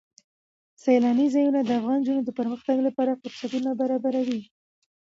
سیلانی ځایونه د افغان نجونو د پرمختګ لپاره فرصتونه برابروي.